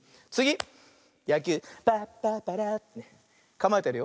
かまえてるよ。